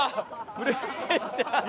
プレッシャーで。